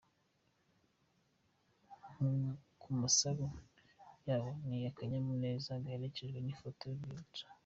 Ku masura yabo ni akanyamuneza gaherekejwe n’ifoto y’urwibutso.